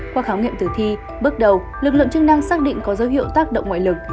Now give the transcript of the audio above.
qua khám nghiệm tử thi bước đầu lực lượng chức năng xác định có dấu hiệu tác động ngoại lực